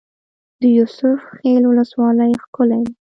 د یوسف خیل ولسوالۍ ښکلې ده